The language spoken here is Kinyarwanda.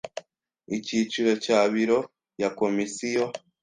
Icyiciro cya Biro ya Komisiyo